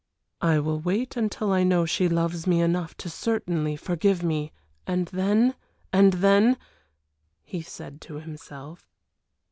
"I will wait until I know she loves me enough to certainly forgive me and then, and then " he said to himself.